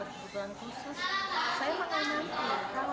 mereka terlihat lebih cerdas lebih pandai